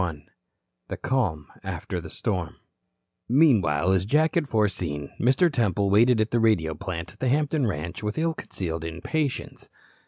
CHAPTER XXXI CALM AFTER THE STORM Meanwhile, as Jack had foreseen, Mr. Temple waited at the radio plant at the Hampton ranch with ill concealed impatience.